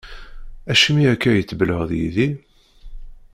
Acimi akka i tbelheḍ yid-i?